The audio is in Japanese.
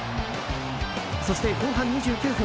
そして後半２９分